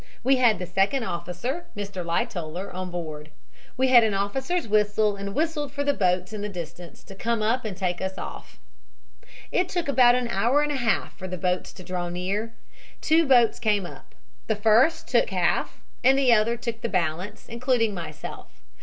We had the second officer, Mr. Lightoller, on board. We had an officer's whistle and whistled for the boats in the distance to come up and take us off. "It took about an hour and a half for the boats to draw near. Two boats came up. The first took half and the other took the balance, including myself.